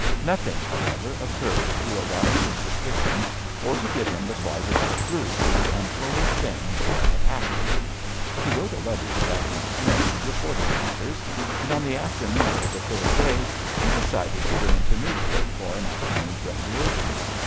Nothing, however, occurred to arouse his suspicion or to give him the slightest clue to the untoward things that had happened. He wrote a letter to Dacent Smith reporting matters, and on the afternoon of the third day he decided to go into Newport for an afternoon's recreation.